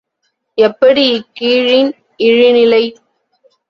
எப்படி இக்கீழின் இழிநிலை?